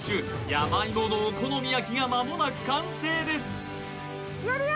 山芋のお好み焼きがまもなく完成です